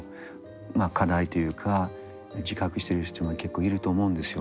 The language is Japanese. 課題というか自覚している人も結構いると思うんですよ。